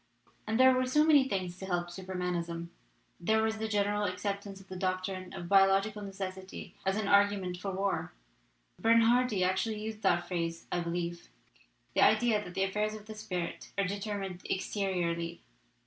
"And there were so many things to help Super manism! There was the general acceptance of the doctrine of biological necessity as an argu ment for war Bernhardi actually used that phrase, I believe the idea that affairs of the spirit are determined exteriorly.